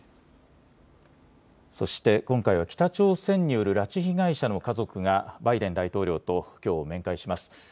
そして今回は北朝鮮による拉致被害者の家族がバイデン大統領ときょう面会します。